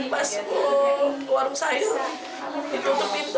pas keluar sayur tidur di pintu